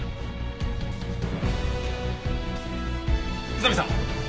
宇佐見さん！